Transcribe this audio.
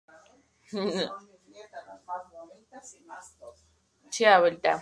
Se da por supuesto que además ejerce de director artístico.